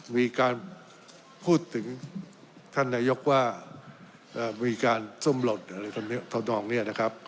มีการพูดถึงท่านนายกว่าเอ่อมีการทรุ่มหลดอะไรตรงนี้นะครับ